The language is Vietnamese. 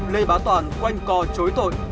lê bá toàn quanh cò chối tội